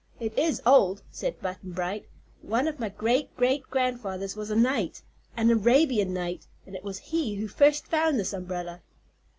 "It is old," said Button Bright. "One of my great great grandfathers was a Knight an Arabian Knight and it was he who first found this umbrella."